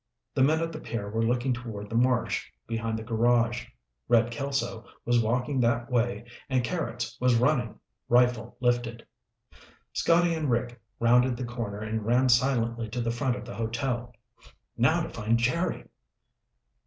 The men at the pier were looking toward the marsh behind the garage. Red Kelso was walking that way and Carrots was running, rifle lifted. Scotty and Rick rounded the corner and ran silently to the front of the hotel. Now to find Jerry!